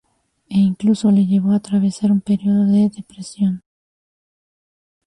E incluso le llevó a atravesar un periodo de depresión.